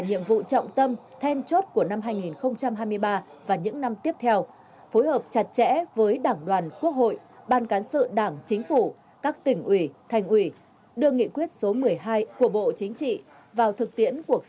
nhiệm vụ có hiệu quả nhiệm vụ có hiệu quả nhiệm vụ có hiệu quả nhiệm vụ có hiệu quả